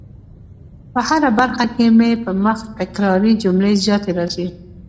په هره برخه کي مي په مخ تکراري جملې زیاتې راځي